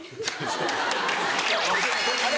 あれ？